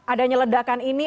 adanya ledakan ini